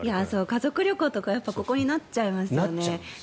家族旅行はここになっちゃいますよね。